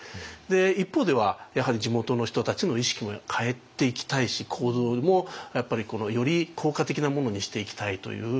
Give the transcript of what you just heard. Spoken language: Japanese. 一方ではやはり地元の人たちの意識も変えていきたいし行動もより効果的なものにしていきたいという。